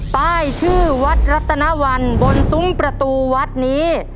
ป้ายชื่อวัดรัตนวันบนซุ้มประตูวัดนี้